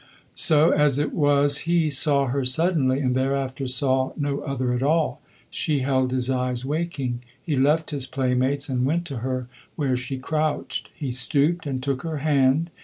So as it was he saw her suddenly, and thereafter saw no other at all. She held his eyes waking; he left his playmates and went to her where she crouched. He stooped and took her hand.